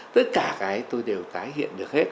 tất cả cái tôi đều tái hiện được hết